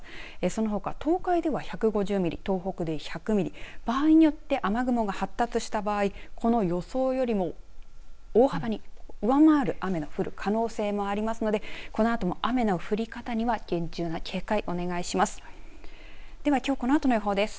そのほか東海では１５０ミリ東北で１００ミリ場合によって雨雲が発達した場合この予想よりも大幅に上回る雨の降る可能性もありますのでこのあとも雨の降り方には厳重な警戒、お願いします。